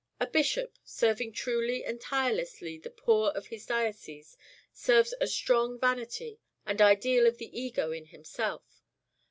A bishop serving truly and tirelessly the poor of his diocese serves a strong vanity and ideal of the Ego in himself.